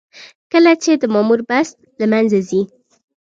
کله چې د مامور بست له منځه ځي.